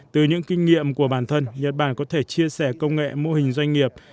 từ những kinh nghiệm của bản thân nhật bản có thể chia sẻ công nghệ mô hình doanh nghiệp